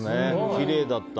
きれいだった。